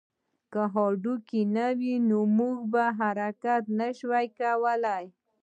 که هډوکي نه وی نو موږ به حرکت نه شوای کولی